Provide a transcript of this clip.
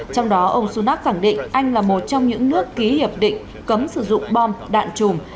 trong đó ông sunav khẳng định anh là một trong những nước ký hiệp định cấm sử dụng bom đạn chùm